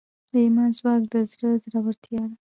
د ایمان ځواک د زړه زړورتیا ده.